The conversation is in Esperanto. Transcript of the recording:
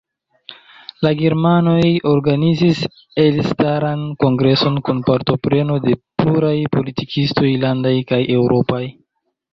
La germanoj organizis elstaran kongreson kun partopreno de pluraj politikistoj, landaj kaj eŭropaj.